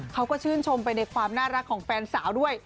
เขาก็ชื่นชมไปในความน่ารักของแฟนสาวด้วย